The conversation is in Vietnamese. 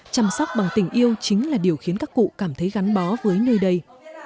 chăm sóc bằng tình yêu chính là điều khiến các cụ cảm thấy gắn bó với nơi đây